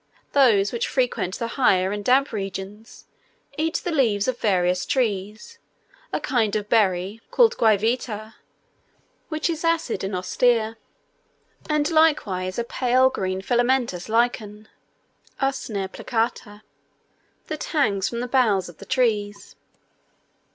Those which frequent the higher and damp regions, eat the leaves of various trees, a kind of berry (called guayavita) which is acid and austere, and likewise a pale green filamentous lichen (Usnera plicata), that hangs from the boughs of the trees.